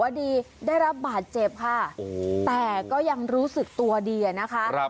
ดีได้รับบาดเจ็บค่ะแต่ก็ยังรู้สึกตัวดีอะนะคะ